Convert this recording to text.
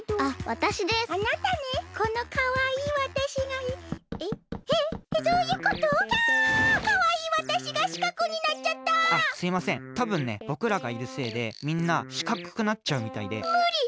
たぶんねぼくらがいるせいでみんなしかくくなっちゃうみたいで。